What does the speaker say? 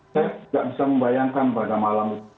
saya tidak bisa membayangkan pada malam itu